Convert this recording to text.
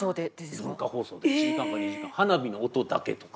文化放送で１時間か２時間花火の音だけとか。